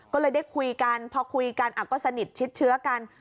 ก็เลยได้คุยกันพอคุยกันก็สนิทชิดเชื้อกัน